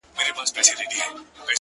• کارګه نه وو په خپل ژوند کي چا ستایلی,